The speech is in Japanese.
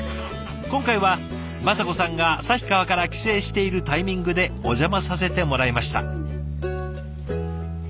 今回は雅子さんが旭川から帰省しているタイミングでお邪魔させてもらいました。